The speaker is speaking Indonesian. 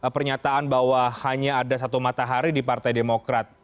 pernyataan bahwa hanya ada satu matahari di partai demokrat